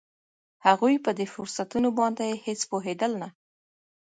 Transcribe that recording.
هغوی په دې فرصتونو باندې هېڅ پوهېدل نه